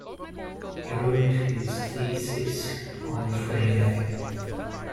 He wrote his thesis on Frege.